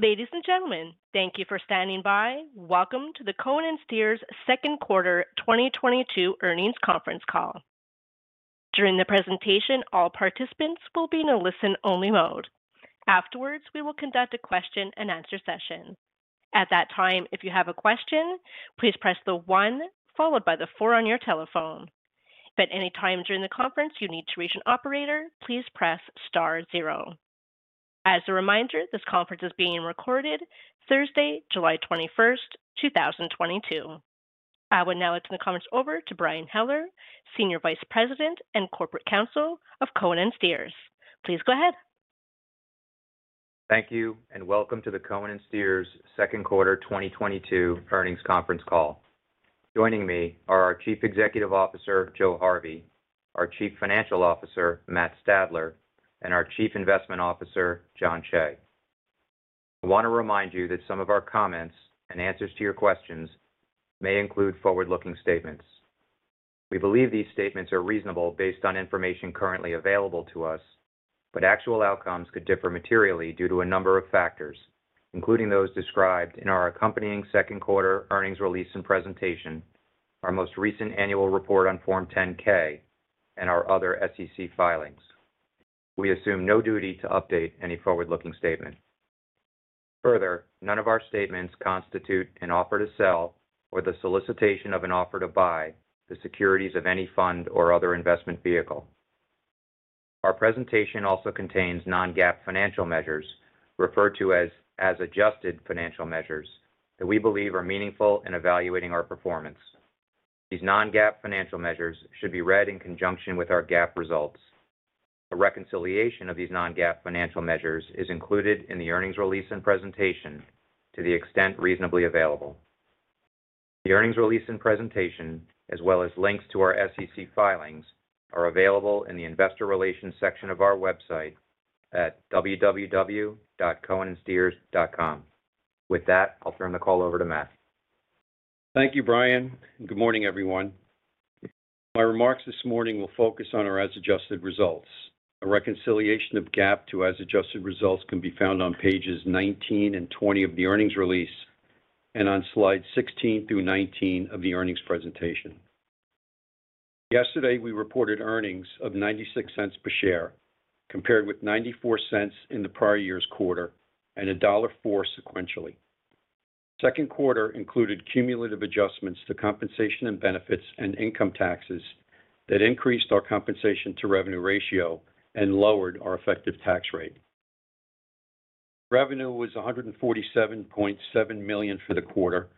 Ladies and gentlemen, thank you for standing by. Welcome to the Cohen & Steers second quarter 2022 earnings conference call. During the presentation, all participants will be in a listen-only mode. Afterwards, we will conduct a question-and-answer session. At that time, if you have a question, please press the one followed by the four on your telephone. If at any time during the conference you need to reach an operator, please press star zero. As a reminder, this conference is being recorded Thursday, July 21st, 2022. I will now turn the conference over to Brian Heller, Senior Vice President and Corporate Counsel of Cohen & Steers. Please go ahead. Thank you, and welcome to the Cohen & Steers second quarter 2022 earnings conference call. Joining me are our Chief Executive Officer, Joe Harvey, our Chief Financial Officer, Matt Stadler, and our Chief Investment Officer, Jon Cheigh. I want to remind you that some of our comments and answers to your questions may include forward-looking statements. We believe these statements are reasonable based on information currently available to us, but actual outcomes could differ materially due to a number of factors, including those described in our accompanying second quarter earnings release and presentation, our most recent annual report on Form 10-K and our other SEC filings. We assume no duty to update any forward-looking statement. Further, none of our statements constitute an offer to sell or the solicitation of an offer to buy the securities of any fund or other investment vehicle. Our presentation also contains non-GAAP financial measures referred to as adjusted financial measures that we believe are meaningful in evaluating our performance. These non-GAAP financial measures should be read in conjunction with our GAAP results. A reconciliation of these non-GAAP financial measures is included in the earnings release and presentation to the extent reasonably available. The earnings release and presentation, as well as links to our SEC filings, are available in the Investor Relations section of our website at www.cohenandsteers.com. With that, I'll turn the call over to Matt. Thank you, Brian, and good morning, everyone. My remarks this morning will focus on our as adjusted results. A reconciliation of GAAP to as adjusted results can be found on pages 19 and 20 of the earnings release and on slide 16 through 19 of the earnings presentation. Yesterday, we reported earnings of $0.96 per share, compared with $0.94 in the prior year's quarter and $1.04 sequentially. Second quarter included cumulative adjustments to compensation and benefits and income taxes that increased our compensation-to-revenue ratio and lowered our effective tax rate. Revenue was $147.7 million for the quarter,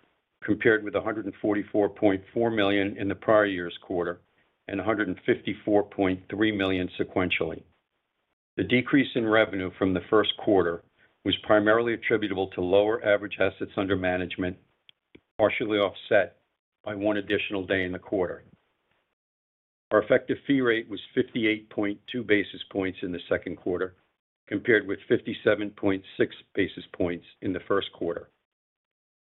compared with $144.4 million in the prior year's quarter and $154.3 million sequentially. The decrease in revenue from the first quarter was primarily attributable to lower average assets under management, partially offset by one additional day in the quarter. Our effective fee rate was 58.2 basis points in the second quarter, compared with 57.6 basis points in the first quarter.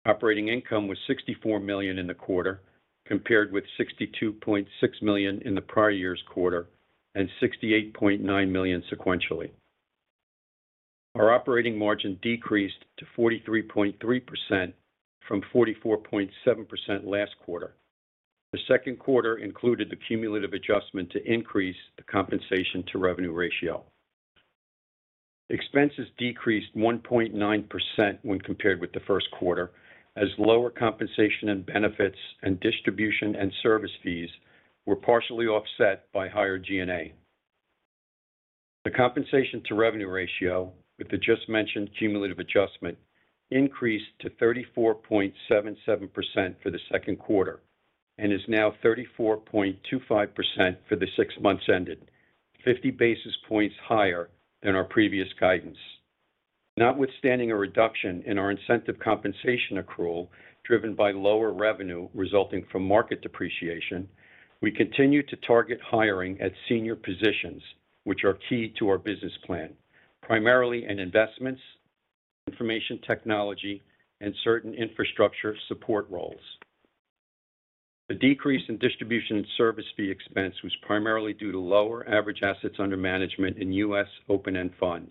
Operating income was $64 million in the quarter, compared with $62.6 million in the prior year's quarter and $68.9 million sequentially. Our operating margin decreased to 43.3% from 44.7% last quarter. The second quarter included the cumulative adjustment to increase the compensation-to-revenue ratio. Expenses decreased 1.9% when compared with the first quarter, as lower compensation and benefits and distribution and service fees were partially offset by higher G&A. The compensation-to-revenue ratio with the just mentioned cumulative adjustment increased to 34.77% for the second quarter and is now 34.25% for the six months ended, 50 basis points higher than our previous guidance. Notwithstanding a reduction in our incentive compensation accrual driven by lower revenue resulting from market depreciation, we continue to target hiring at senior positions which are key to our business plan, primarily in investments, information technology, and certain infrastructure support roles. The decrease in distribution service fee expense was primarily due to lower average assets under management in U.S. open-end funds,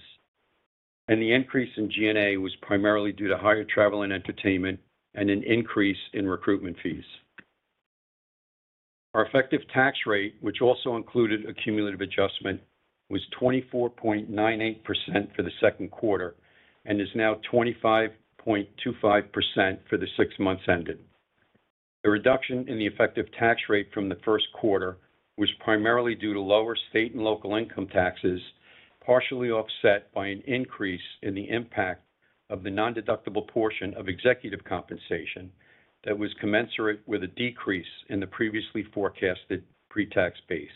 and the increase in G&A was primarily due to higher travel and entertainment and an increase in recruitment fees. Our effective tax rate, which also included a cumulative adjustment, was 24.98% for the second quarter and is now 25.25% for the six months ended. The reduction in the effective tax rate from the first quarter was primarily due to lower state and local income taxes, partially offset by an increase in the impact of the non-deductible portion of executive compensation that was commensurate with a decrease in the previously forecasted pre-tax base.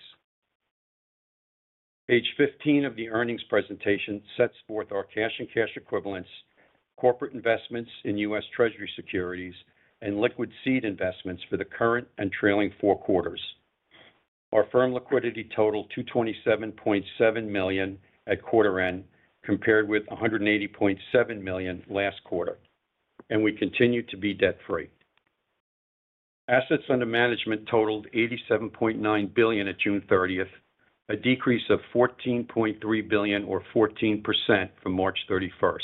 Page 15 of the earnings presentation sets forth our cash and cash equivalents, corporate investments in U.S. Treasury securities, and liquid seed investments for the current and trailing four quarters. Our firm liquidity totaled $227.7 million at quarter end, compared with $180.7 million last quarter, and we continue to be debt-free. Assets under management totaled $87.9 billion at June 30, a decrease of $14.3 billion or 14% from March 31.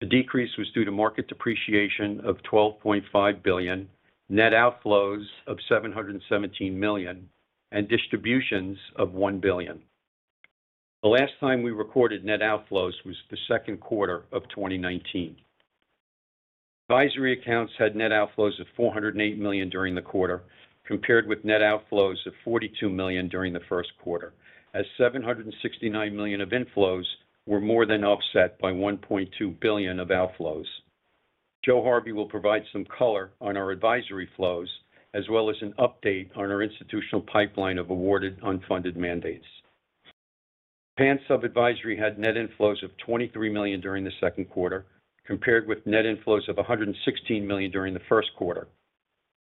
The decrease was due to market depreciation of $12.5 billion, net outflows of $717 million, and distributions of $1 billion. The last time we recorded net outflows was the second quarter of 2019. Advisory accounts had net outflows of $408 million during the quarter, compared with net outflows of $42 million during the first quarter, as $769 million of inflows were more than offset by $1.2 billion of outflows. Joe Harvey will provide some color on our advisory flows as well as an update on our institutional pipeline of awarded unfunded mandates. Japan sub-advisory had net inflows of $23 million during the second quarter, compared with net inflows of $116 million during the first quarter.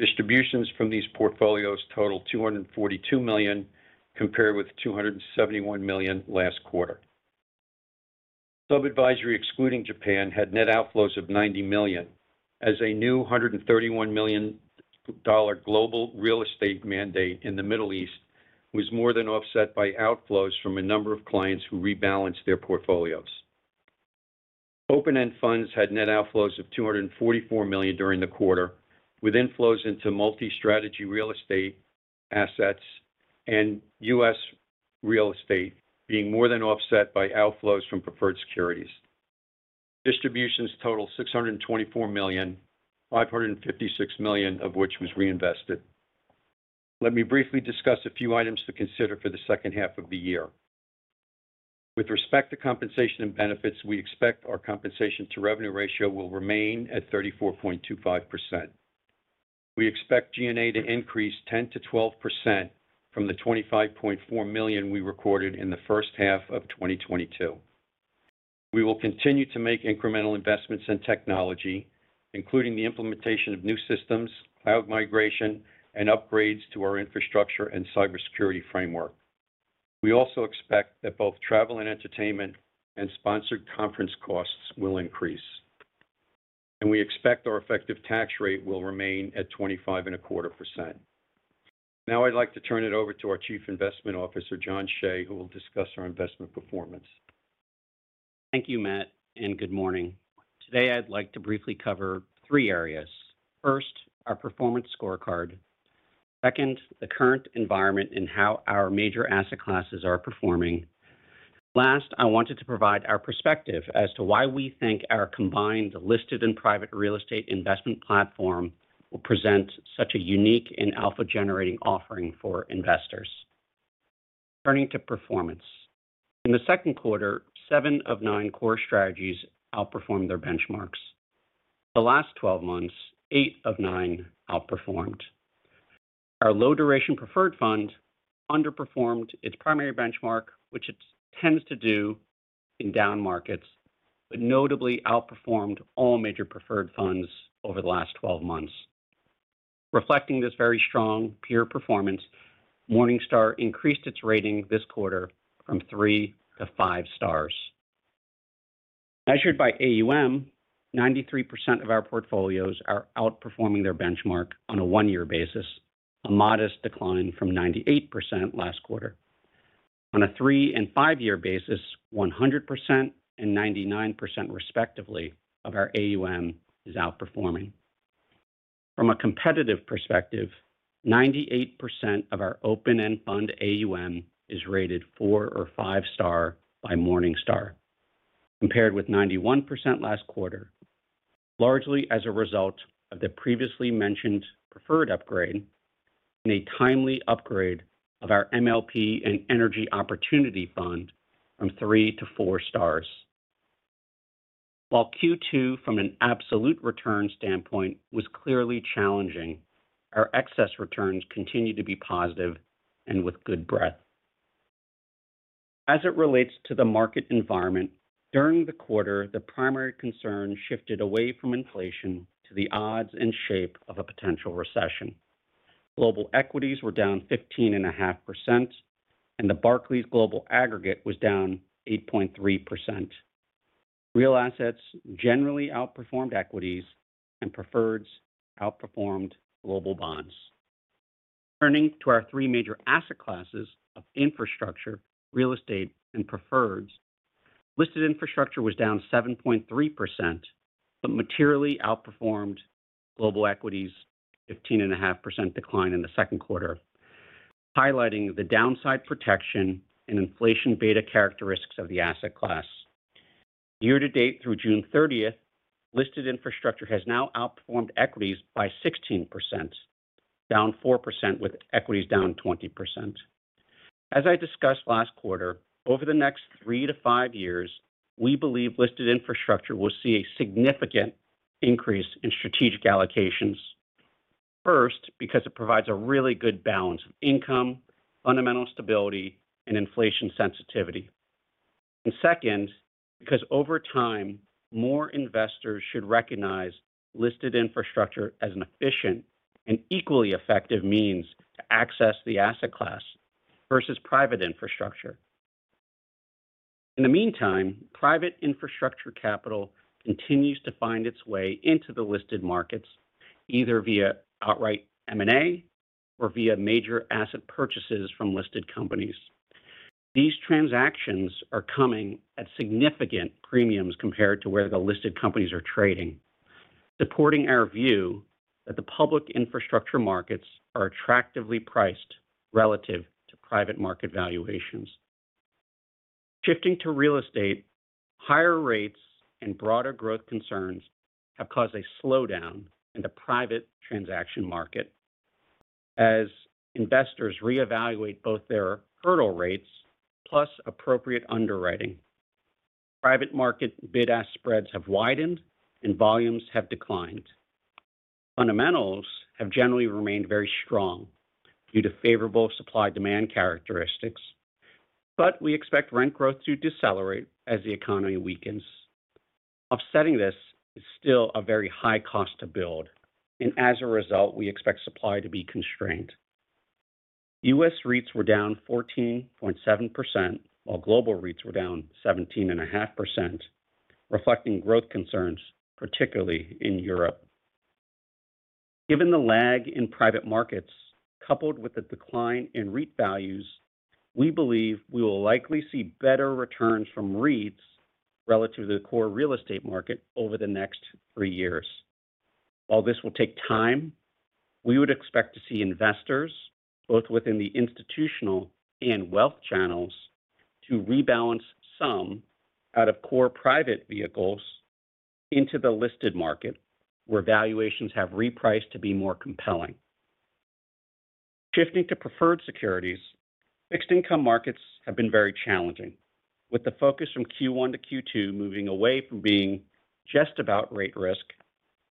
Distributions from these portfolios totaled $242 million, compared with $271 million last quarter. Sub-advisory, excluding Japan, had net outflows of $90 million as a new $131 million Global Real Estate mandate in the Middle East was more than offset by outflows from a number of clients who rebalanced their portfolios. Open-end funds had net outflows of $244 million during the quarter, with inflows into multi-strategy real assets and U.S. real estate being more than offset by outflows from preferred securities. Distributions totaled $624 million, $556 million of which was reinvested. Let me briefly discuss a few items to consider for the second half of the year. With respect to compensation and benefits, we expect our compensation-to-revenue ratio will remain at 34.25%. We expect G&A to increase 10%-12% from the $25.4 million we recorded in the first half of 2022. We will continue to make incremental investments in technology, including the implementation of new systems, cloud migration, and upgrades to our infrastructure and cybersecurity framework. We also expect that both travel and entertainment and sponsored conference costs will increase. We expect our effective tax rate will remain at 25.25%. Now I'd like to turn it over to our Chief Investment Officer, Jon Cheigh, who will discuss our investment performance. Thank you, Matt, and good morning. Today, I'd like to briefly cover three areas. First, our performance scorecard. Second, the current environment and how our major asset classes are performing. Last, I wanted to provide our perspective as to why we think our combined listed and private real estate investment platform will present such a unique and alpha-generating offering for investors. Turning to performance. In the second quarter, seven of nine core strategies outperformed their benchmarks. The last 12 months, eight of nine outperformed. Our low-duration preferred fund underperformed its primary benchmark, which it tends to do in down markets, but notably outperformed all major preferred funds over the last 12 months. Reflecting this very strong peer performance, Morningstar increased its rating this quarter from three to five stars. Measured by AUM, 93% of our portfolios are outperforming their benchmark on a one-year basis, a modest decline from 98% last quarter. On a three- and five-year basis, 100% and 99% respectively of our AUM is outperforming. From a competitive perspective, 98% of our open-end fund AUM is rated 4- or 5-star by Morningstar, compared with 91% last quarter, largely as a result of the previously mentioned preferred upgrade and a timely upgrade of our MLP and Energy Opportunity Fund from 3 to 4 stars. While Q2, from an absolute return standpoint, was clearly challenging, our excess returns continue to be positive and with good breadth. As it relates to the market environment, during the quarter, the primary concern shifted away from inflation to the odds and shape of a potential recession. Global equities were down 15.5%, and the Barclays Global Aggregate was down 8.3%. Real assets generally outperformed equities, and preferreds outperformed global bonds. Turning to our three major asset classes of infrastructure, real estate, and preferreds. Listed infrastructure was down 7.3%, but materially outperformed global equities' 15.5% decline in the second quarter, highlighting the downside protection and inflation beta characteristics of the asset class. Year to date through June 30, listed infrastructure has now outperformed equities by 16%, down 4% with equities down 20%. As I discussed last quarter, over the next 3 to 5 years, we believe listed infrastructure will see a significant increase in strategic allocations. First, because it provides a really good balance of income, fundamental stability, and inflation sensitivity. Second, because over time, more investors should recognize listed infrastructure as an efficient and equally effective means to access the asset class versus private infrastructure. In the meantime, private infrastructure capital continues to find its way into the listed markets, either via outright M&A or via major asset purchases from listed companies. These transactions are coming at significant premiums compared to where the listed companies are trading, supporting our view that the public infrastructure markets are attractively priced relative to private market valuations. Shifting to real estate, higher rates and broader growth concerns have caused a slowdown in the private transaction market. As investors reevaluate both their hurdle rates plus appropriate underwriting, private market bid-ask spreads have widened and volumes have declined. Fundamentals have generally remained very strong due to favorable supply-demand characteristics, but we expect rent growth to decelerate as the economy weakens. Offsetting this is still a very high cost to build, and as a result, we expect supply to be constrained. US REITs were down 14.7%, while global REITs were down 17.5%, reflecting growth concerns, particularly in Europe. Given the lag in private markets, coupled with the decline in REIT values, we believe we will likely see better returns from REITs relative to the core real estate market over the next 3 years. While this will take time, we would expect to see investors, both within the institutional and wealth channels, to rebalance some out of core private vehicles into the listed market, where valuations have repriced to be more compelling. Shifting to preferred securities, fixed-income markets have been very challenging, with the focus from Q1 to Q2 moving away from being just about rate risk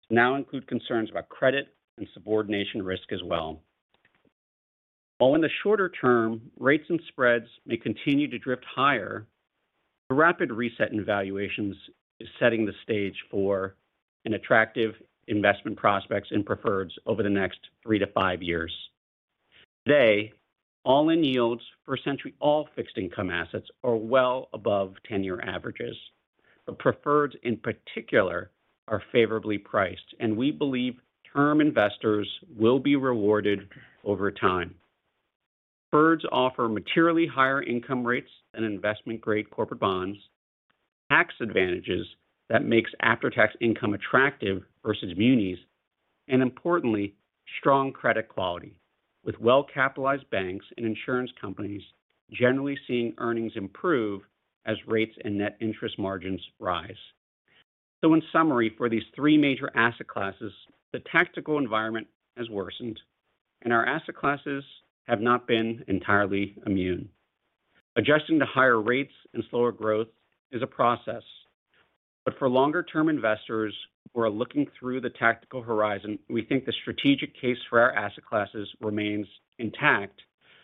to now include concerns about credit and subordination risk as well. While in the shorter term, rates and spreads may continue to drift higher, the rapid reset in valuations is setting the stage for an attractive investment prospects in preferreds over the next three to five years. Today, all-in yields for essentially all fixed-income assets are well above 10-year averages, but preferreds in particular are favorably priced, and we believe term investors will be rewarded over time. Preferreds offer materially higher income rates than investment-grade corporate bonds, tax advantages that makes after-tax income attractive versus munis, and importantly, strong credit quality, with well-capitalized banks and insurance companies generally seeing earnings improve as rates and net interest margins rise. In summary, for these three major asset classes, the tactical environment has worsened, and our asset classes have not been entirely immune. Adjusting to higher rates and slower growth is a process, but for longer-term investors who are looking through the tactical horizon, we think the strategic case for our asset classes remains intact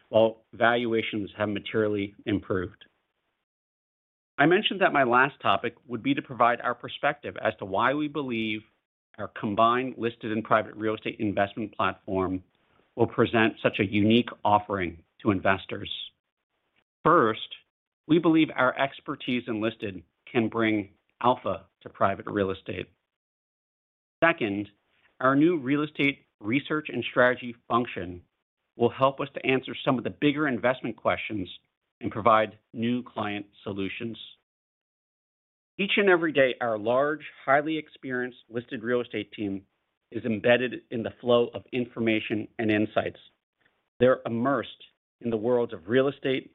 while valuations have materially improved. I mentioned that my last topic would be to provide our perspective as to why we believe our combined listed and private real estate investment platform will present such a unique offering to investors. First, we believe our expertise in listed can bring alpha to private real estate. Second, our new real estate research and strategy function will help us to answer some of the bigger investment questions and provide new client solutions. Each and every day, our large, highly experienced listed real estate team is embedded in the flow of information and insights. They're immersed in the worlds of real estate,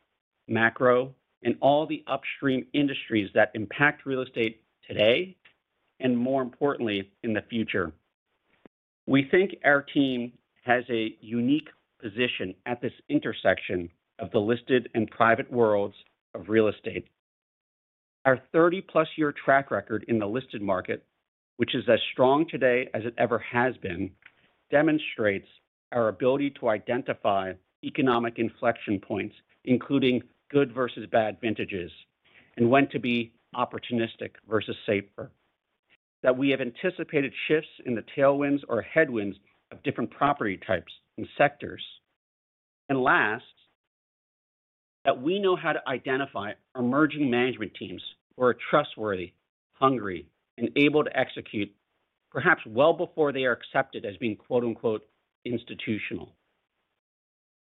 macro, and all the upstream industries that impact real estate today, and more importantly, in the future. We think our team has a unique position at this intersection of the listed and private worlds of real estate. Our 30+-year track record in the listed market, which is as strong today as it ever has been, demonstrates our ability to identify economic inflection points, including good versus bad vintages, and when to be opportunistic versus safer. That we have anticipated shifts in the tailwinds or headwinds of different property types and sectors. Last, that we know how to identify emerging management teams who are trustworthy, hungry, and able to execute perhaps well before they are accepted as being, quote-unquote, "institutional."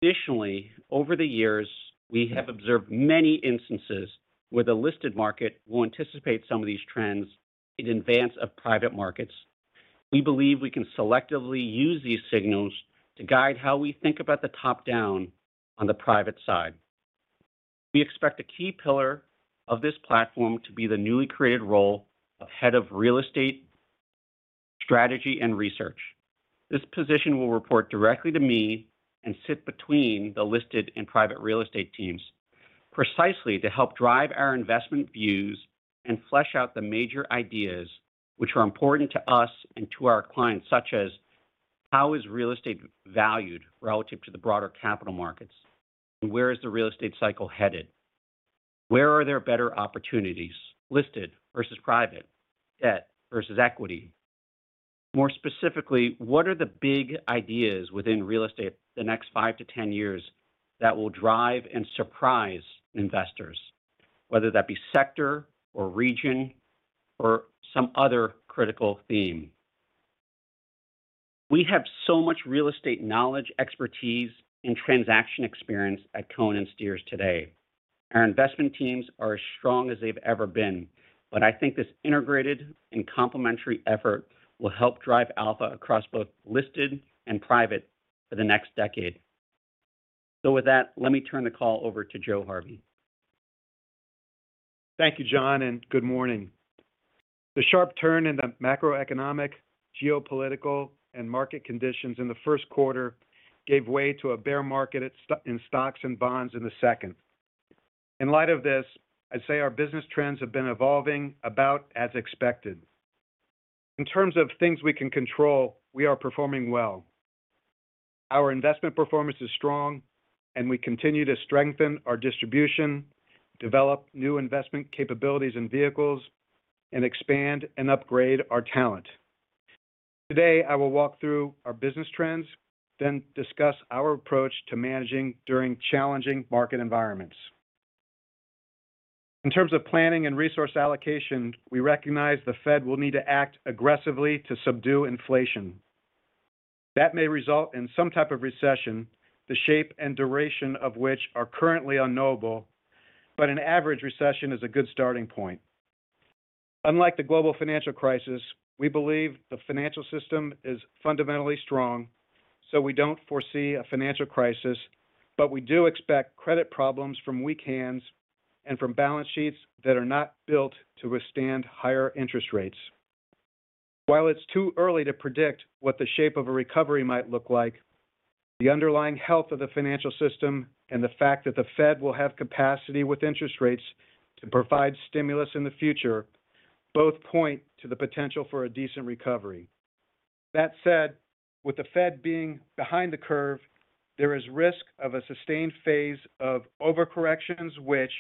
Additionally, over the years, we have observed many instances where the listed market will anticipate some of these trends in advance of private markets. We believe we can selectively use these signals to guide how we think about the top-down on the private side. We expect a key pillar of this platform to be the newly created role of Head of Real Estate Strategy and Research. This position will report directly to me and sit between the listed and private real estate teams precisely to help drive our investment views and flesh out the major ideas which are important to us and to our clients, such as how is real estate valued relative to the broader capital markets? Where is the real estate cycle headed? Where are there better opportunities, listed versus private, debt versus equity? More specifically, what are the big ideas within real estate the next 5-10 years that will drive and surprise investors, whether that be sector or region or some other critical theme? We have so much real estate knowledge, expertise, and transaction experience at Cohen & Steers today. Our investment teams are as strong as they've ever been. I think this integrated and complementary effort will help drive alpha across both listed and private for the next decade. With that, let me turn the call over to Joe Harvey. Thank you, Jon, and good morning. The sharp turn in the macroeconomic, geopolitical, and market conditions in the first quarter gave way to a bear market in stocks and bonds in the second. In light of this, I'd say our business trends have been evolving about as expected. In terms of things we can control, we are performing well. Our investment performance is strong, and we continue to strengthen our distribution, develop new investment capabilities and vehicles, and expand and upgrade our talent. Today, I will walk through our business trends, then discuss our approach to managing during challenging market environments. In terms of planning and resource allocation, we recognize the Fed will need to act aggressively to subdue inflation. That may result in some type of recession, the shape and duration of which are currently unknowable, but an average recession is a good starting point. Unlike the global financial crisis, we believe the financial system is fundamentally strong, so we don't foresee a financial crisis, but we do expect credit problems from weak hands and from balance sheets that are not built to withstand higher interest rates. While it's too early to predict what the shape of a recovery might look like, the underlying health of the financial system and the fact that the Fed will have capacity with interest rates to provide stimulus in the future both point to the potential for a decent recovery. That said, with the Fed being behind the curve, there is risk of a sustained phase of overcorrections which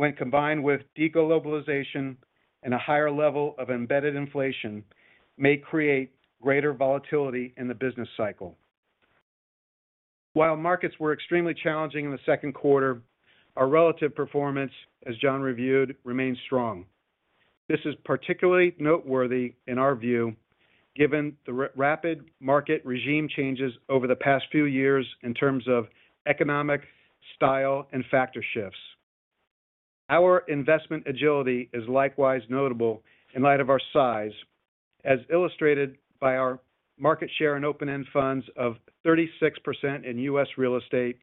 when combined with de-globalization and a higher level of embedded inflation, may create greater volatility in the business cycle. While markets were extremely challenging in the second quarter, our relative performance, as Jon reviewed, remains strong. This is particularly noteworthy in our view, given the rapid market regime changes over the past few years in terms of economic style and factor shifts. Our investment agility is likewise notable in light of our size, as illustrated by our market share and open-end funds of 36% in U.S. Real Estate,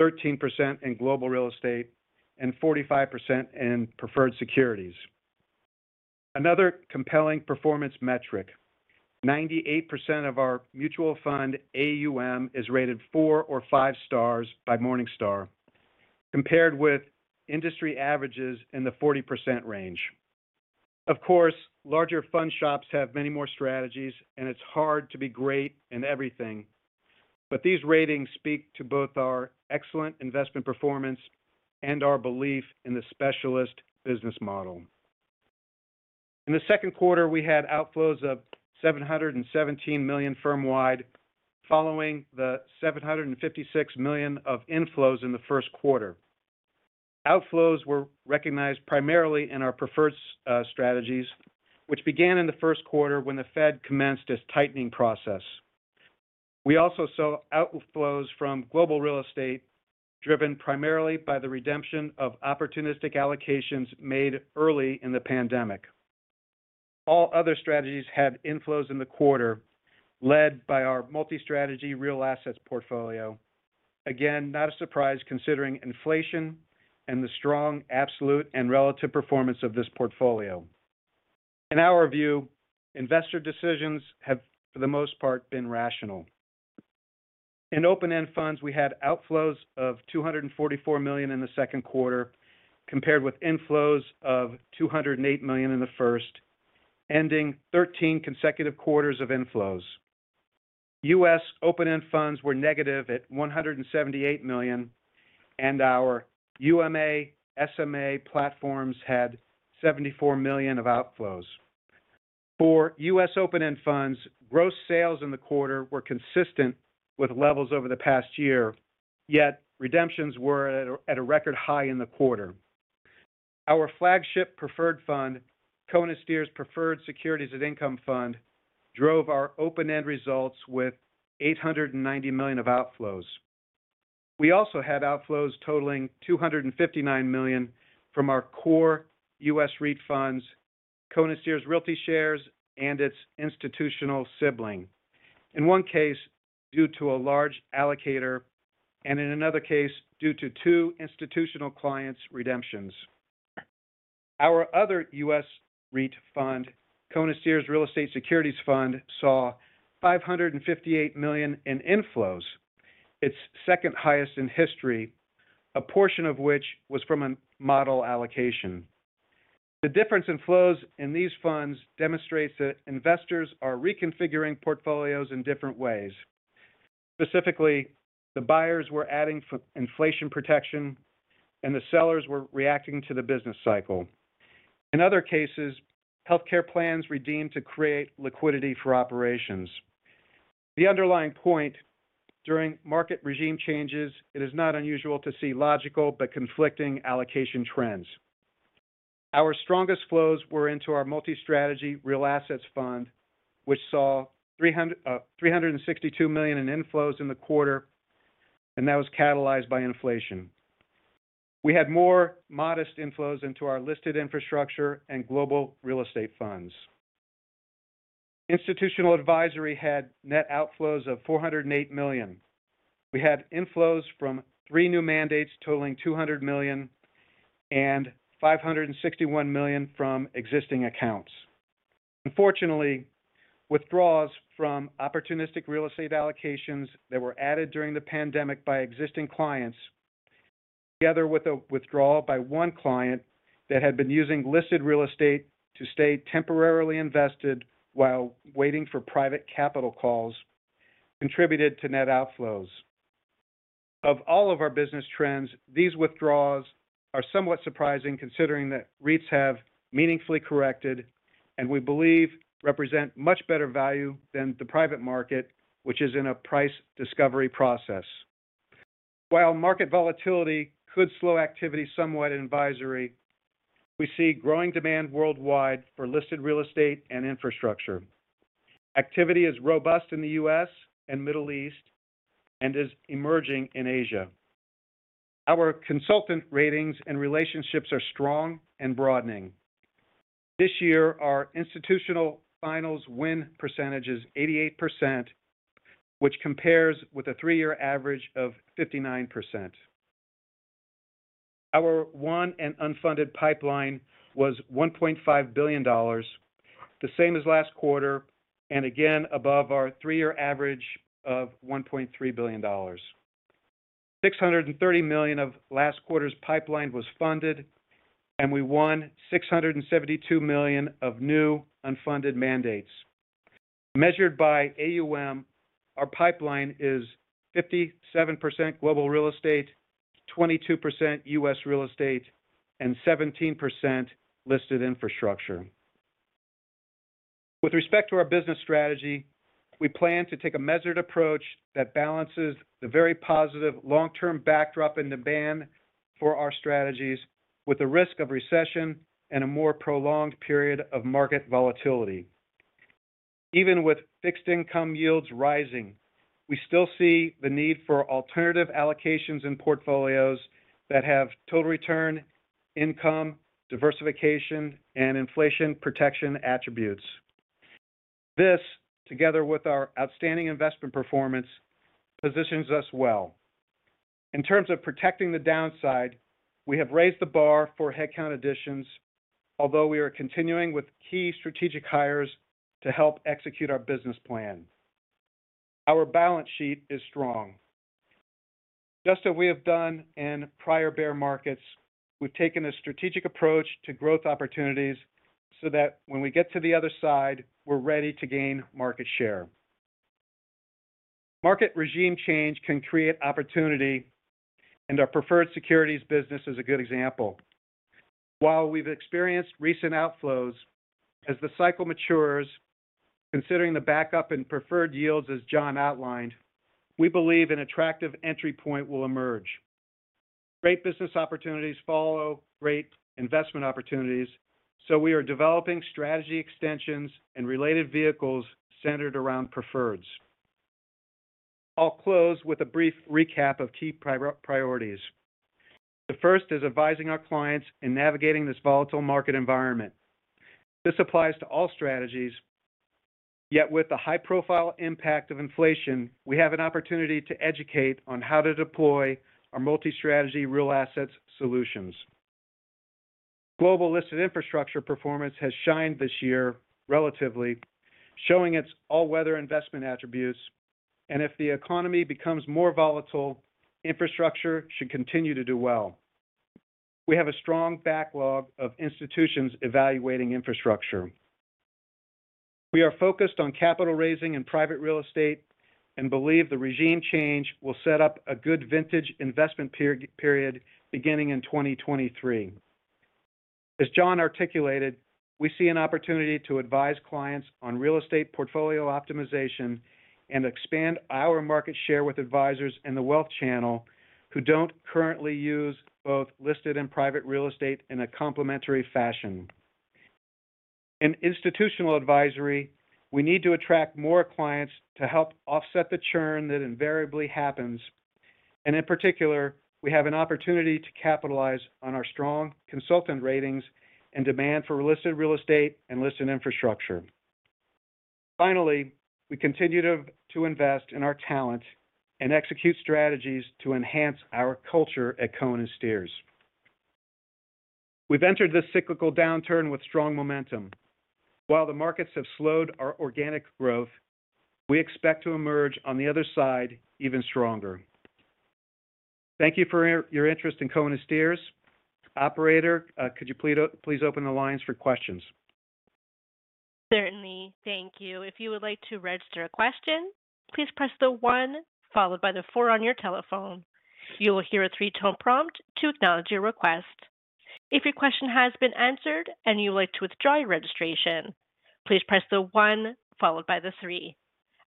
13% in Global Real Estate, and 45% in preferred securities. Another compelling performance metric. 98% of our mutual fund AUM is rated four or five stars by Morningstar, compared with industry averages in the 40% range. Of course, larger fund shops have many more strategies, and it's hard to be great in everything. These ratings speak to both our excellent investment performance and our belief in the specialist business model. In the second quarter, we had outflows of $717 million firmwide, following the $756 million of inflows in the first quarter. Outflows were recognized primarily in our preferred strategies, which began in the first quarter when the Fed commenced its tightening process. We also saw outflows from Global Real Estate, driven primarily by the redemption of opportunistic allocations made early in the pandemic. All other strategies had inflows in the quarter, led by our multi-strategy real assets portfolio. Again, not a surprise considering inflation and the strong absolute and relative performance of this portfolio. In our view, investor decisions have, for the most part, been rational. In open-end funds, we had outflows of $244 million in the second quarter, compared with inflows of $208 million in the first, ending 13 consecutive quarters of inflows. U.S. open-end funds were negative at $178 million, and our UMA, SMA platforms had $74 million of outflows. For U.S. open-end funds, gross sales in the quarter were consistent with levels over the past year, yet redemptions were at a record high in the quarter. Our flagship preferred fund, Cohen & Steers Preferred Securities and Income Fund, drove our open-end results with $890 million of outflows. We also had outflows totaling $259 million from our core U.S. REIT funds, Cohen & Steers Realty Shares, and its institutional sibling. In one case, due to a large allocator, and in another case, due to two institutional clients' redemptions. Our other US REIT fund, Cohen & Steers Real Estate Securities Fund, saw $558 million in inflows, its second highest in history, a portion of which was from a model allocation. The difference in flows in these funds demonstrates that investors are reconfiguring portfolios in different ways. Specifically, the buyers were adding inflation protection, and the sellers were reacting to the business cycle. In other cases, healthcare plans redeemed to create liquidity for operations. The underlying point, during market regime changes, it is not unusual to see logical but conflicting allocation trends. Our strongest flows were into our Real Assets Multi-Strategy Fund, which saw $362 million in inflows in the quarter, and that was catalyzed by inflation. We had more modest inflows into our listed infrastructure and Global Real Estate funds. Institutional advisory had net outflows of $408 million. We had inflows from three new mandates totaling $200 million and $561 million from existing accounts. Unfortunately, withdrawals from opportunistic real estate allocations that were added during the pandemic by existing clients, together with a withdrawal by one client that had been using listed real estate to stay temporarily invested while waiting for private capital calls, contributed to net outflows. Of all of our business trends, these withdrawals are somewhat surprising, considering that REITs have meaningfully corrected and we believe represent much better value than the private market, which is in a price discovery process. While market volatility could slow activity somewhat in advisory, we see growing demand worldwide for listed real estate and infrastructure. Activity is robust in the U.S. and Middle East and is emerging in Asia. Our consultant ratings and relationships are strong and broadening. This year, our institutional finals win percentage is 88%, which compares with a three-year average of 59%. Our won and unfunded pipeline was $1.5 billion, the same as last quarter, and again above our three-year average of $1.3 billion. $630 million of last quarter's pipeline was funded, and we won $672 million of new unfunded mandates. Measured by AUM, our pipeline is 57% Global Real Estate, 22% U.S. Real Estate, and 17% listed infrastructure. With respect to our business strategy, we plan to take a measured approach that balances the very positive long-term backdrop and demand for our strategies with the risk of recession and a more prolonged period of market volatility. Even with fixed income yields rising, we still see the need for alternative allocations in portfolios that have total return, income, diversification, and inflation protection attributes. This, together with our outstanding investment performance, positions us well. In terms of protecting the downside, we have raised the bar for headcount additions, although we are continuing with key strategic hires to help execute our business plan. Our balance sheet is strong. Just as we have done in prior bear markets, we've taken a strategic approach to growth opportunities so that when we get to the other side, we're ready to gain market share. Market regime change can create opportunity, and our preferred securities business is a good example. While we've experienced recent outflows, as the cycle matures, considering the backup in preferred yields, as Jon outlined, we believe an attractive entry point will emerge. Great business opportunities follow great investment opportunities, so we are developing strategy extensions and related vehicles centered around preferreds. I'll close with a brief recap of key priorities. The first is advising our clients in navigating this volatile market environment. This applies to all strategies, yet with the high-profile impact of inflation, we have an opportunity to educate on how to deploy our multi-strategy real assets solutions. Global listed infrastructure performance has shined this year, relatively, showing its all-weather investment attributes. If the economy becomes more volatile, infrastructure should continue to do well. We have a strong backlog of institutions evaluating infrastructure. We are focused on capital raising and private real estate and believe the regime change will set up a good vintage investment period beginning in 2023. As Jon articulated, we see an opportunity to advise clients on real estate portfolio optimization and expand our market share with advisors in the wealth channel who don't currently use both listed and private real estate in a complementary fashion. In institutional advisory, we need to attract more clients to help offset the churn that invariably happens. In particular, we have an opportunity to capitalize on our strong consultant ratings and demand for listed real estate and listed infrastructure. Finally, we continue to invest in our talent and execute strategies to enhance our culture at Cohen & Steers. We've entered this cyclical downturn with strong momentum. While the markets have slowed our organic growth, we expect to emerge on the other side even stronger. Thank you for your interest in Cohen & Steers. Operator, could you please open the lines for questions? Certainly. Thank you. If you would like to register a question, please press the one followed by the four on your telephone. You will hear a three-tone prompt to acknowledge your request. If your question has been answered and you would like to withdraw your registration, please press the one followed by the three.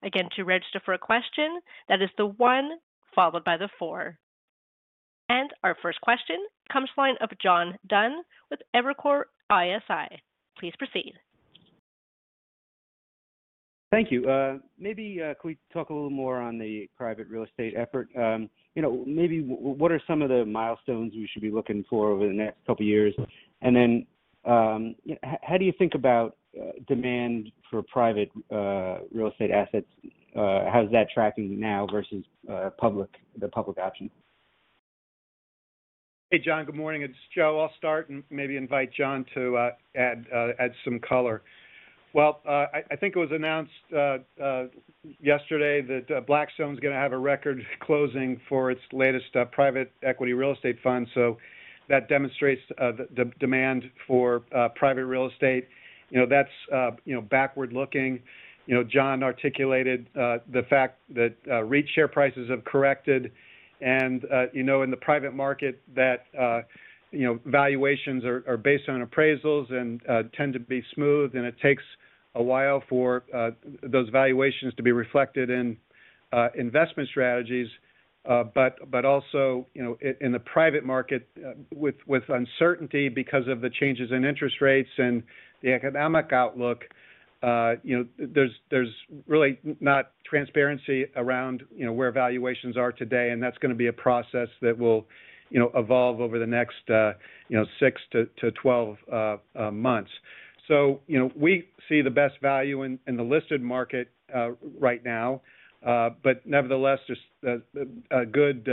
Again, to register for a question, that is the one followed by the four. Our first question comes from the line of John Dunn with Evercore ISI. Please proceed. Thank you. Maybe, can we talk a little more on the private real estate effort? You know, maybe what are some of the milestones we should be looking for over the next couple of years? Then, how do you think about demand for private real estate assets? How's that tracking now versus the public option? Hey, John. Good morning. It's Joe. I'll start and maybe invite Jon to add some color. Well, I think it was announced yesterday that Blackstone is going to have a record closing for its latest private equity real estate fund. So that demonstrates the demand for private real estate. You know, that's backward-looking. You know, Jon articulated the fact that REIT share prices have corrected. You know, in the private market that valuations are based on appraisals and tend to be smooth, and it takes a while for those valuations to be reflected in investment strategies. Also, you know, in the private market, with uncertainty because of the changes in interest rates and the economic outlook, you know, there's really not transparency around, you know, where valuations are today, and that's going to be a process that will, you know, evolve over the next 6 to 12 months. You know, we see the best value in the listed market right now. Nevertheless, there's a good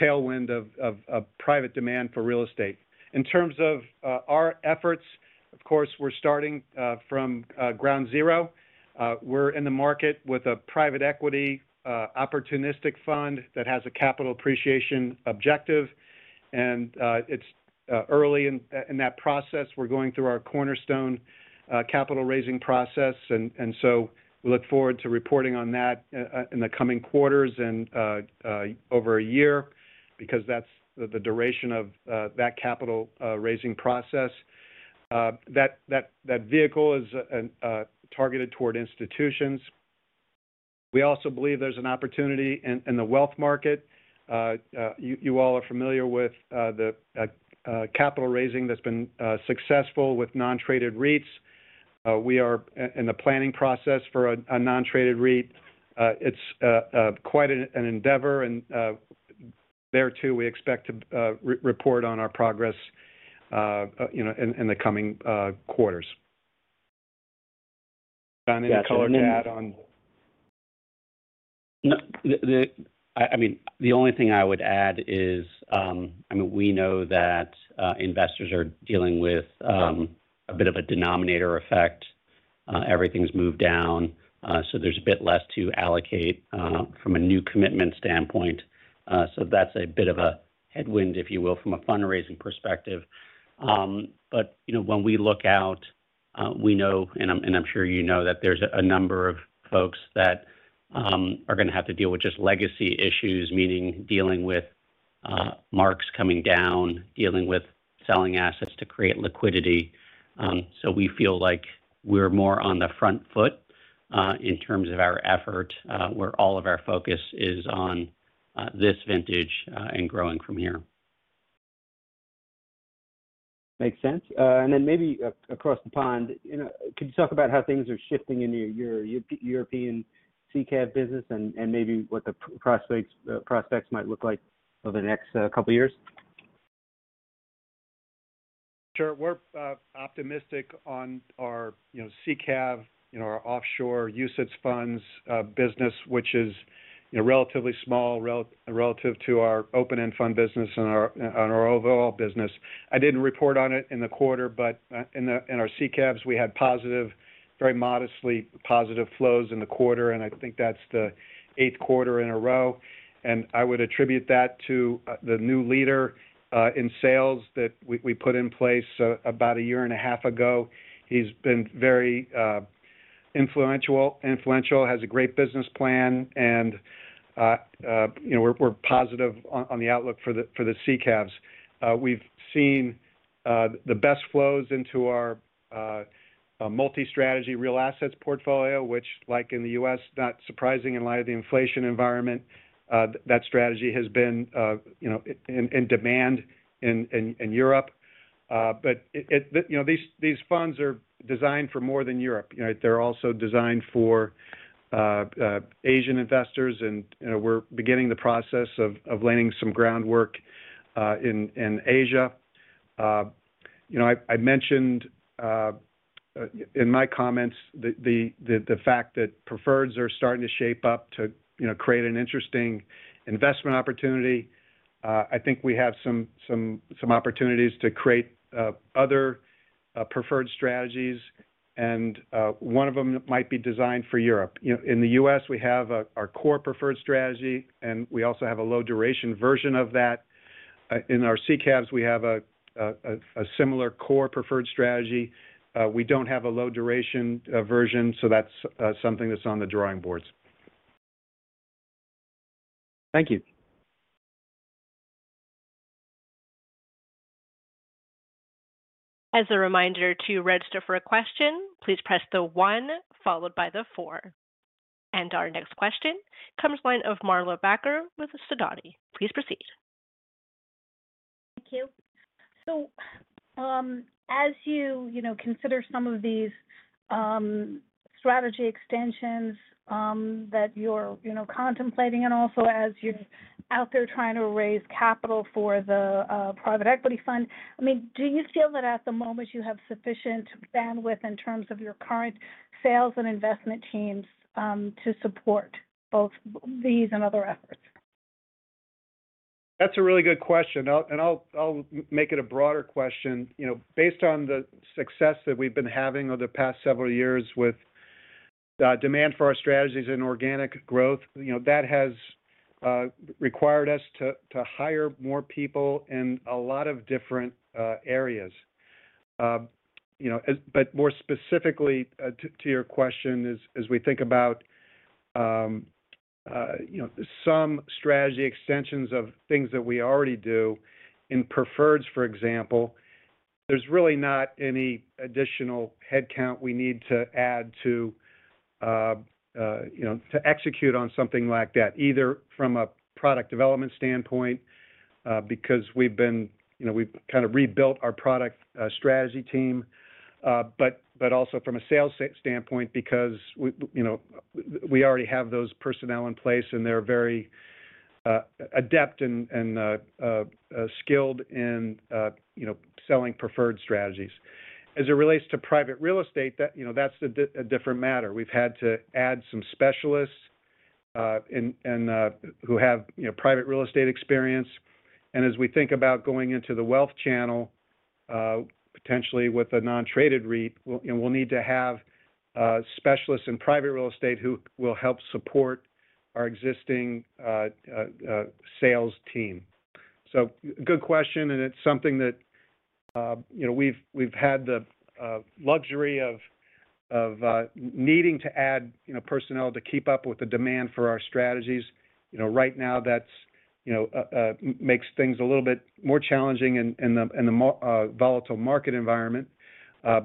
tailwind of private demand for real estate. In terms of our efforts, of course, we're starting from ground zero. We're in the market with a private equity opportunistic fund that has a capital appreciation objective. It's early in that process. We're going through our cornerstone capital-raising process. We look forward to reporting on that in the coming quarters and over a year because that's the duration of that capital raising process. That vehicle is targeted toward institutions. We also believe there's an opportunity in the wealth market. You all are familiar with the capital raising that's been successful with non-traded REITs. We are in the planning process for a non-traded REIT. It's quite an endeavor. There too, we expect to report on our progress, you know, in the coming quarters. Jon, any color to add on- No. I mean, the only thing I would add is, I mean, we know that investors are dealing with a bit of a denominator effect. Everything's moved down, so there's a bit less to allocate from a new commitment standpoint. That's a bit of a headwind, if you will, from a fundraising perspective. You know, when we look out, we know, and I'm sure you know that there's a number of folks that are going to have to deal with just legacy issues, meaning dealing with marks coming down, dealing with selling assets to create liquidity. We feel like we're more on the front foot in terms of our effort where all of our focus is on this vintage and growing from here. Makes sense. Maybe across the pond, you know, could you talk about how things are shifting in your European SICAV business and maybe what the prospects might look like over the next couple of years? Sure. We're optimistic on our, you know, SICAV, you know, our offshore UCITS funds business, which is, you know, relatively small relative to our open-end fund business and our overall business. I didn't report on it in the quarter, but in our SICAVs, we had positive, very modestly positive flows in the quarter, and I think that's the eighth quarter in a row. I would attribute that to the new leader in sales that we put in place about a year and a half ago. He's been very influential, has a great business plan. You know, we're positive on the outlook for the SICAVs. We've seen the best flows into our multi-strategy real assets portfolio, which, like in the U.S., not surprising in light of the inflation environment, that strategy has been, you know, in demand in Europe. You know, these funds are designed for more than Europe. You know, they're also designed for Asian investors. You know, we're beginning the process of laying some groundwork in Asia. You know, I mentioned in my comments the fact that preferreds are starting to shape up to, you know, create an interesting investment opportunity. I think we have some opportunities to create other preferred strategies, and one of them might be designed for Europe. You know, in the U.S., we have our core preferred strategy, and we also have a low duration version of that. In our SICAVs, we have a similar core preferred strategy. We don't have a low duration version, so that's something that's on the drawing boards. Thank you. As a reminder, to register for a question, please press the one followed by the four. Our next question comes line of Marla Backer with Sidoti. Please proceed. Thank you. As you know, consider some of these strategy extensions that you're you know contemplating and also as you're out there trying to raise capital for the private equity fund, I mean, do you feel that at the moment you have sufficient bandwidth in terms of your current sales and investment teams to support both these and other efforts? That's a really good question. I'll make it a broader question. You know, based on the success that we've been having over the past several years with demand for our strategies and organic growth, you know, that has required us to hire more people in a lot of different areas. You know, more specifically, to your question is, as we think about, you know, some strategy extensions of things that we already do, in preferreds, for example, there's really not any additional headcount we need to add to, you know, to execute on something like that, either from a product development standpoint, because we've been, you know, we've kind of rebuilt our product strategy team, but also from a sales standpoint because we, you know, we already have those personnel in place, and they're very adept and skilled in, you know, selling preferred strategies. As it relates to private real estate, you know, that's a different matter. We've had to add some specialists who have, you know, private real estate experience. As we think about going into the wealth channel, potentially with a non-traded REIT, we'll, you know, need to have specialists in private real estate who will help support our existing sales team. Good question, and it's something that, you know, we've had the luxury of needing to add, you know, personnel to keep up with the demand for our strategies. You know, right now that's, you know, makes things a little bit more challenging in the volatile market environment. you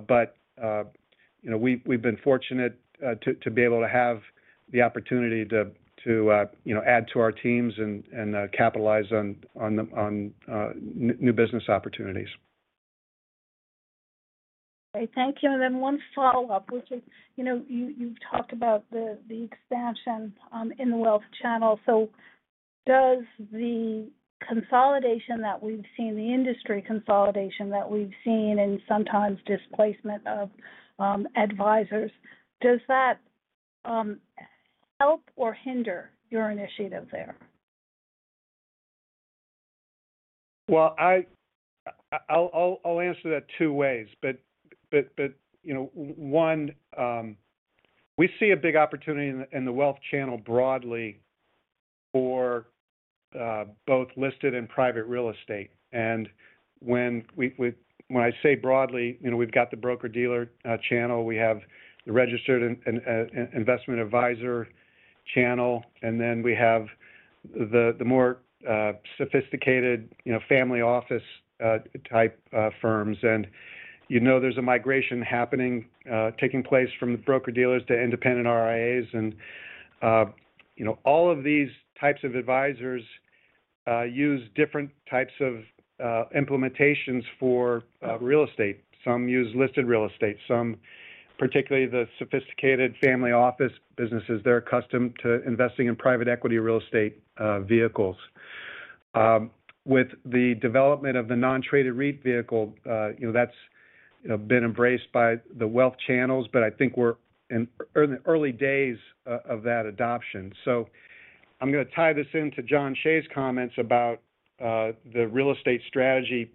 know, we've been fortunate to be able to have the opportunity to, you know, add to our teams and capitalize on the new business opportunities. Okay. Thank you. One follow-up, which is, you know, you talked about the expansion in the wealth channel. Does the consolidation that we've seen, the industry consolidation that we've seen and sometimes displacement of advisors, does that help or hinder your initiative there? Well, I'll answer that two ways. You know, one, we see a big opportunity in the wealth channel broadly for both listed and private real estate. When I say broadly, you know, we've got the broker-dealer channel, we have the registered investment advisor channel, and then we have the more sophisticated, you know, family office type firms. You know, there's a migration happening taking place from the broker-dealers to independent RIAs. You know, all of these types of advisors use different types of implementations for real estate. Some use listed real estate, some, particularly the sophisticated family office businesses, they're accustomed to investing in private equity real estate vehicles. With the development of the non-traded REIT vehicle, you know, that's, you know, been embraced by the wealth channels, but I think we're in early days of that adoption. I'm gonna tie this into Jon Cheigh's comments about the real estate strategy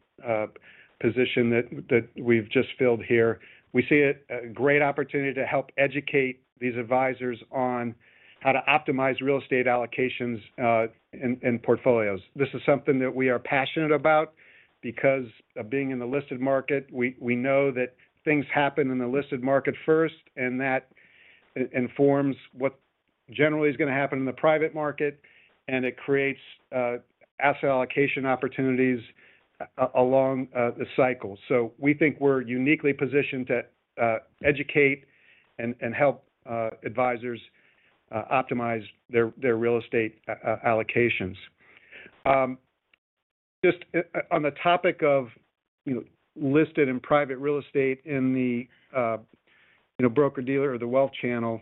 position that we've just filled here. We see a great opportunity to help educate these advisors on how to optimize real estate allocations in portfolios. This is something that we are passionate about because of being in the listed market. We know that things happen in the listed market first, and that informs what generally is gonna happen in the private market, and it creates asset allocation opportunities along the cycle. We think we're uniquely positioned to educate and help advisors optimize their real estate allocations. Just on the topic of, you know, listed and private real estate in the, you know, broker-dealer or the wealth channel,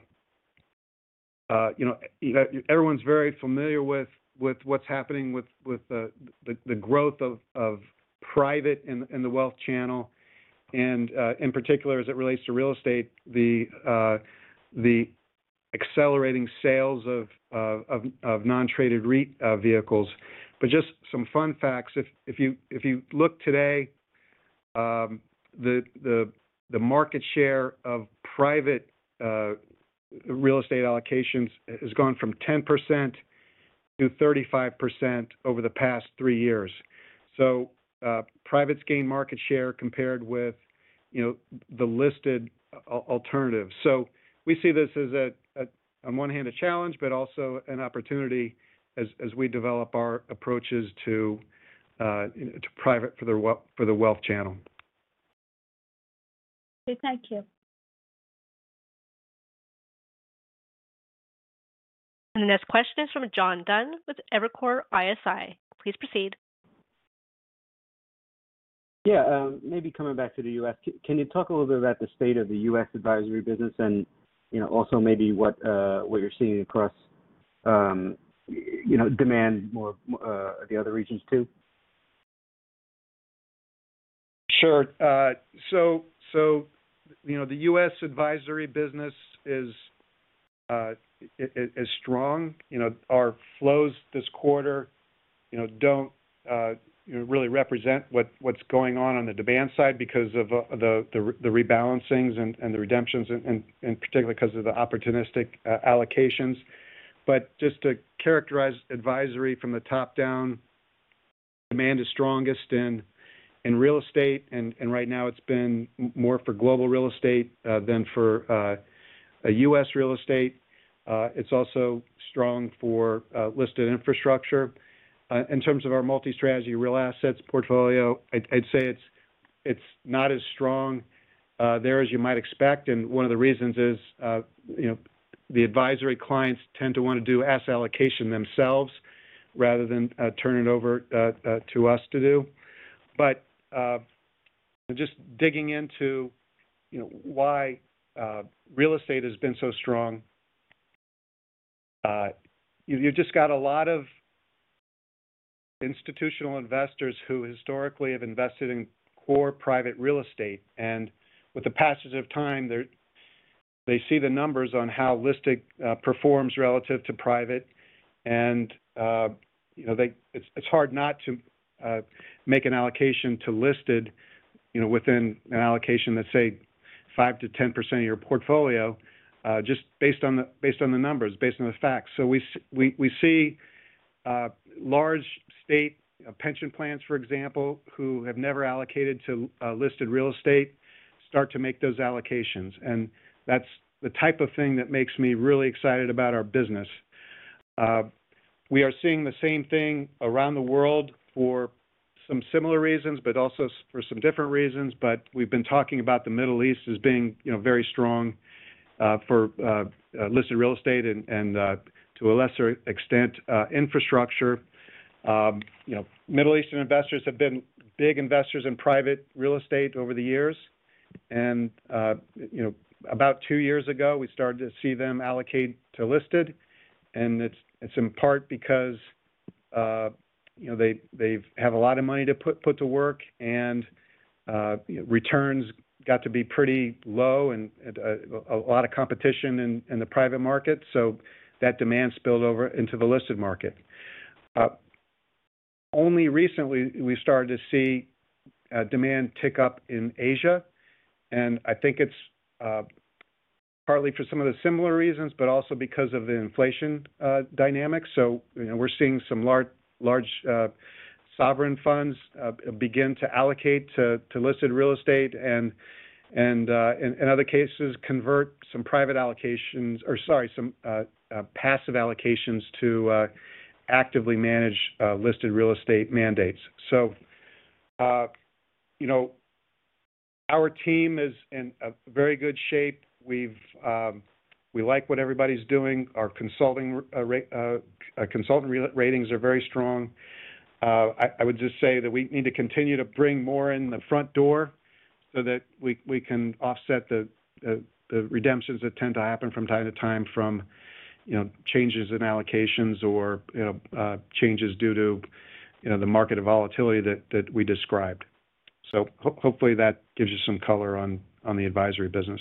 you know, everyone's very familiar with what's happening with the growth of private in the wealth channel, and in particular, as it relates to real estate, the accelerating sales of non-traded REIT vehicles. Just some fun facts. If you look today, the market share of private real estate allocations has gone from 10% to 35% over the past three years. So, privates gain market share compared with, you know, the listed alternatives. We see this as, on one hand, a challenge, but also an opportunity as we develop our approaches to private for the wealth channel. Okay, thank you. The next question is from John Dunn with Evercore ISI. Please proceed. Yeah. Maybe coming back to the U.S., can you talk a little bit about the state of the U.S. advisory business and, you know, also maybe what you're seeing across, you know, demand more, the other regions too? Sure. You know, the U.S. advisory business is strong. You know, our flows this quarter, you know, don't really represent what's going on on the demand side because of the rebalancings and the redemptions, and particularly 'cause of the opportunistic allocations. Just to characterize advisory from the top down, demand is strongest in real estate, and right now it's been more for Global Real Estate than for U.S. Real Estate. It's also strong for listed infrastructure. In terms of our multi-strategy real assets portfolio, I'd say it's not as strong there as you might expect, and one of the reasons is, you know, the advisory clients tend to wanna do asset allocation themselves rather than turn it over to us to do. Just digging into, you know, why real estate has been so strong, you just got a lot of institutional investors who historically have invested in core private real estate, and with the passage of time, they see the numbers on how listed performs relative to private, and you know, they. It's hard not to make an allocation to listed, you know, within an allocation that's, say, 5%-10% of your portfolio, just based on the numbers, based on the facts. We see large state pension plans, for example, who have never allocated to listed real estate start to make those allocations. That's the type of thing that makes me really excited about our business. We are seeing the same thing around the world for some similar reasons, but also for some different reasons. We've been talking about the Middle East as being, you know, very strong for listed real estate and to a lesser extent infrastructure. You know, Middle Eastern investors have been big investors in private real estate over the years. You know, about two years ago, we started to see them allocate to listed. It's in part because you know they have a lot of money to put to work and returns got to be pretty low and a lot of competition in the private market so that demand spilled over into the listed market. Only recently we started to see demand tick up in Asia and I think it's partly for some of the similar reasons but also because of the inflation dynamics. You know we're seeing some large sovereign funds begin to allocate to listed real estate and in other cases convert some passive allocations to actively manage listed real estate mandates. You know our team is in a very good shape. We like what everybody's doing. Our consulting ratings are very strong. I would just say that we need to continue to bring more in the front door so that we can offset the redemptions that tend to happen from time to time from, you know, changes in allocations or, you know, changes due to, you know, the market volatility that we described. Hopefully that gives you some color on the advisory business.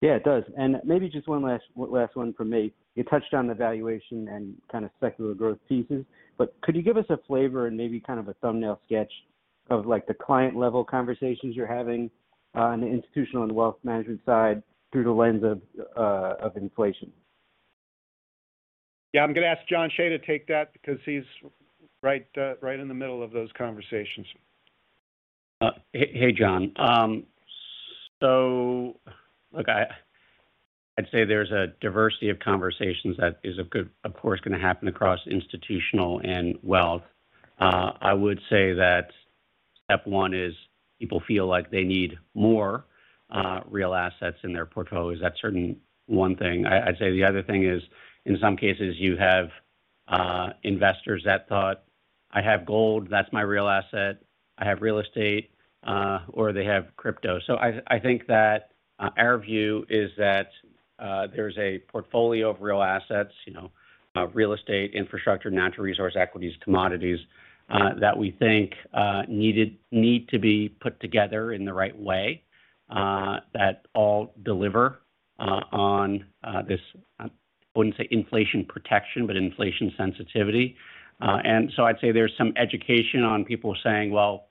Yeah, it does. Maybe just one last one from me. You touched on the valuation and kind of secular growth pieces, but could you give us a flavor and maybe kind of a thumbnail sketch of like the client-level conversations you're having on the institutional and wealth management side through the lens of inflation? Yeah. I'm gonna ask Jon Cheigh to take that because he's right in the middle of those conversations. Hey, John. Look, I'd say there's a diversity of conversations that is, of course, gonna happen across institutional and wealth. I would say that step one is people feel like they need more real assets in their portfolios. That's certainly one thing. I'd say the other thing is, in some cases, you have investors that thought, "I have gold, that's my real asset. I have real estate," or they have crypto. I think that our view is that there's a portfolio of real assets, you know, real estate, infrastructure, natural resource equities, commodities, that we think need to be put together in the right way, that all deliver on this. I wouldn't say inflation protection, but inflation sensitivity. I'd say there's some education on people saying, "Well,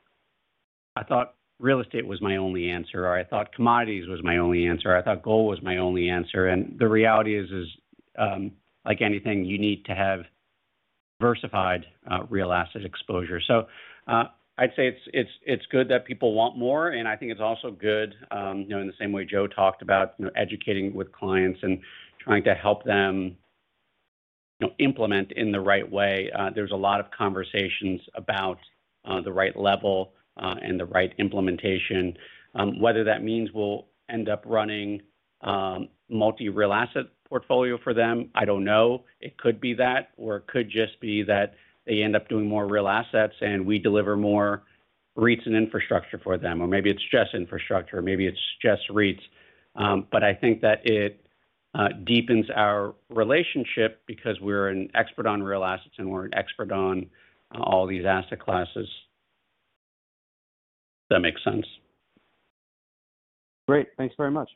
I thought real estate was my only answer," or, "I thought commodities was my only answer," or, "I thought gold was my only answer." The reality is, like anything, you need to have diversified real asset exposure. I'd say it's good that people want more, and I think it's also good, you know, in the same way Joe talked about, you know, educating with clients and trying to help them, you know, implement in the right way. There's a lot of conversations about the right level and the right implementation. Whether that means we'll end up running multi-real asset portfolio for them, I don't know. It could be that, or it could just be that they end up doing more real assets, and we deliver more REITs and infrastructure for them. Maybe it's just infrastructure, maybe it's just REITs. I think that it deepens our relationship because we're an expert on real assets, and we're an expert on all these asset classes. Does that make sense? Great. Thanks very much.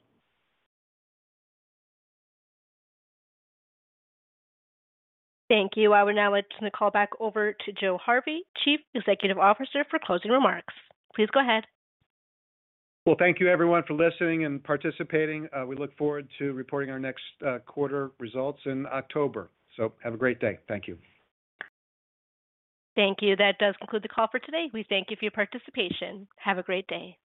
Thank you. I would now like to turn the call back over to Joe Harvey, Chief Executive Officer, for closing remarks. Please go ahead. Well, thank you everyone for listening and participating. We look forward to reporting our next quarter results in October. Have a great day. Thank you. Thank you. That does conclude the call for today. We thank you for your participation. Have a great day.